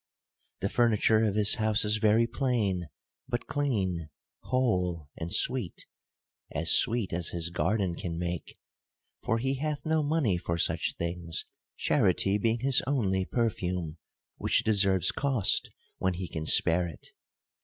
The furniture of his house is very plain, hut clean, whole, and sweet ;— as sweet as his garden can make ; for he hath no money for such things, charity being his only perfume, which deserves cost when he can spare it.